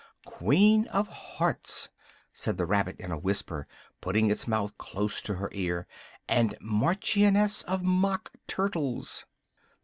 "Queen of Hearts," said the rabbit in a whisper, putting its mouth close to her ear, "and Marchioness of Mock Turtles."